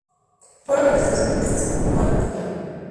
Fueron realizadas protestas continuaron en todo el mundo.